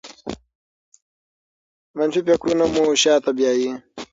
منفي فکرونه مو شاته بیايي.